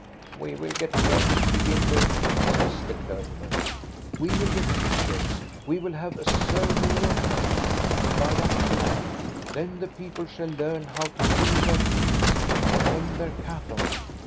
" We will get bread to begin with," says the clergy man. " We will get teachers. We will have a surveyor come, and divide up the land. Then the people shall learn how to till their fields and tend their cattle."